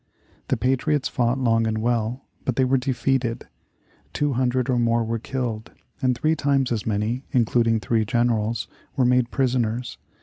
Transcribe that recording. The patriots fought long and well, but they were defeated. Two hundred or more were killed, and three times as many, including three generals, were made prisoners.